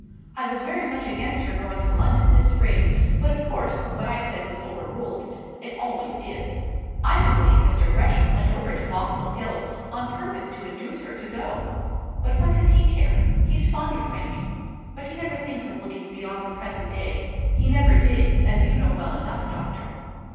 I was very much against her going to London this spring, but of course what I said was overruled. It always is. I do believe Mr. Gresham went over to Boxall Hill, on purpose to induce her to go. But what does he care? He's fond of Frank; but he never thinks of looking beyond the present day. He never did, as you know well enough, doctor."